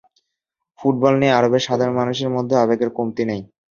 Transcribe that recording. Football নিয়ে আরবের সাধারণ মানুষের মধ্যেও আবেগের কমতি নেই।